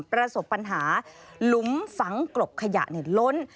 ประสบปัญหาหลุมฝังกลบขยะล้น